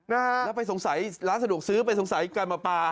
นะฮะแล้วไปสงสัยร้านสะดวกซื้อไปสงสัยการมาปลา